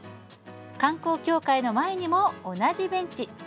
観光協会の前にも、同じベンチ。